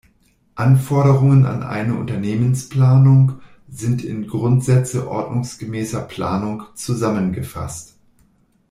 Anforderungen an eine Unternehmensplanung sind in "Grundsätze ordnungsgemäßer Planung" zusammengefasst.